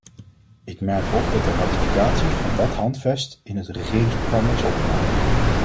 Ik merk op dat de ratificatie van dat handvest in het regeringsprogramma is opgenomen.